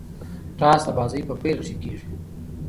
ټاس د بازۍ په پیل کښي کیږي.